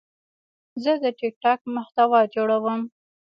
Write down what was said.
زه د ټک ټاک محتوا جوړوم.